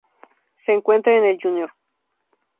Se encuentra en el Jr.